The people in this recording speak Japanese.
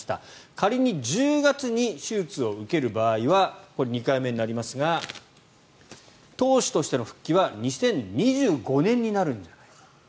仮に１０月に手術を受ける場合は２回目になりますが投手としての復帰は２０２５年になるんじゃないか。